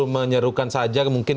menyerukan saja mungkin